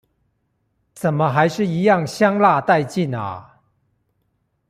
怎麼還是一樣香辣帶勁啊！